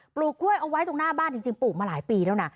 ลูกกล้วยเอาไว้ตรงหน้าบ้านจริงปลูกมาหลายปีแล้วนะ